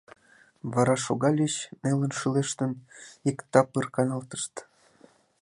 Вара шогальыч, нелын шӱлештын, иктапыр каналтышт.